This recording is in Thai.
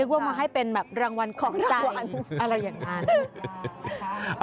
นึกว่ามาให้เป็นแบบรางวัลของใจอะไรอย่างนั้นครับค่ะ